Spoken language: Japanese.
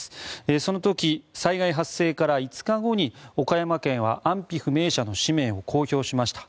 その時、災害発生から５日後に岡山県は安否不明者の氏名を公表しました。